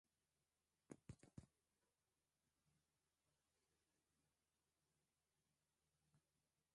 laka za afya nchini haiti zimethibitisha kuwa kesi mia moja na ishirini zimeripotiwa